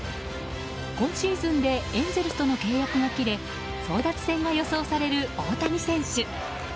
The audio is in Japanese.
今シーズンでエンゼルスとの契約が切れ争奪戦が予想される大谷選手。